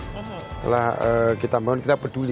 setelah kita bangun kita peduli